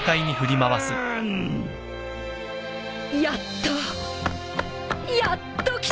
やっと。